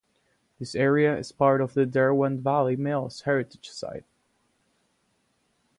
This area is part of the Derwent Valley Mills Heritage Site.